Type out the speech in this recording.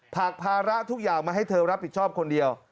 หากภาระทุกอย่างมาให้เธอรับผิดชอบคนเดียว